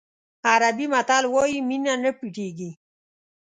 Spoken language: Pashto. عربي متل وایي مینه نه پټېږي.